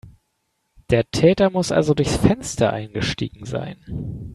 Der Täter muss also durchs Fenster eingestiegen sein.